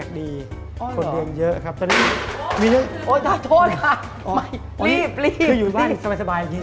คืออยู่บ้านทำไมสบายอย่างดี